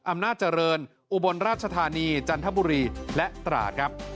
อำนาจเจริญอุบลราชธานีจันทบุรีและตราดครับ